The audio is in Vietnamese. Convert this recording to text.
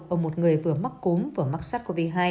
ở một người vừa mắc cúm vừa mắc sống